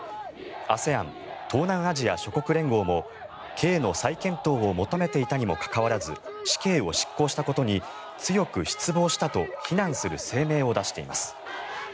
ＡＳＥＡＮ・東南アジア諸国連合も刑の再検討を求めていたにもかかわらず死刑を執行したことに強く失望したと非難する声明を出しています。